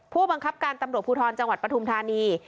ผู้บังคับการตำรวจภูทรจังหวัดปฐุมธานี